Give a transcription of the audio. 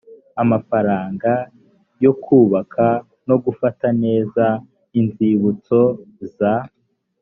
amafaranga yo kubaka no gufata neza inzibutso za